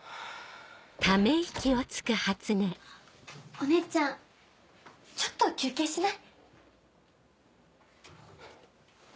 お姉ちゃんちょっと休憩しない？